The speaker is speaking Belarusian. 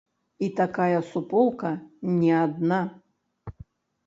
І такая суполка не адна.